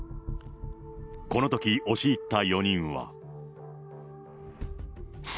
このとき、押し入った４人は。